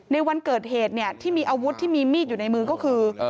ในวันเกิดเหตุเนี่ยที่มีอาวุธที่มีมีดอยู่ในมือก็คือ